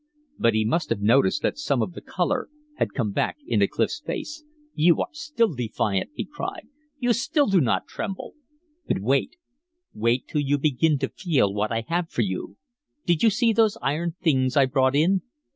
But he must have noticed that some of the color had come back into Clif's face. "You are still defiant," he cried. "You still do not tremble. But wait wait till you begin to feel what I have for you. Did you see those iron things I brought in?